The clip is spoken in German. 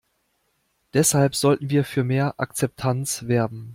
Deshalb sollten wir für mehr Akzeptanz werben.